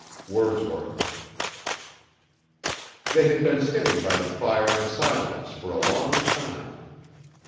WORDSWORTH. They had been sitting by the fire in silence for a long time.